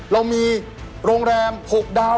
เรามีโรงแรม๖ดาว